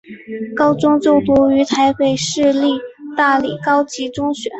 高中就读于台北市立大理高级中学。